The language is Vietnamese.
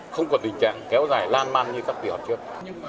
không còn tình trạng kéo dài lan măn như các kỳ họp trước